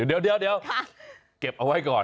เดี๋ยวเก็บเอาไว้ก่อน